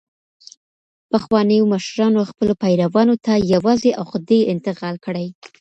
پخوانیو مشرانو خپلو پیروانو ته یوازي عقدې انتقال کړې.